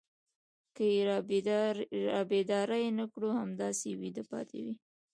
که يې رابيدارې نه کړو همداسې ويدې پاتې وي.